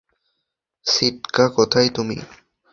সিটকা, কোথায় তুমি?